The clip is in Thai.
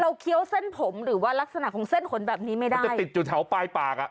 เคี้ยวเส้นผมหรือว่ารักษณะของเส้นขนแบบนี้ไม่ได้มันจะติดอยู่แถวปลายปากอ่ะ